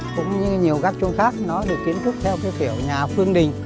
cũng như nhiều gác chuông khác nó được kiến thức theo cái kiểu nhà phương đình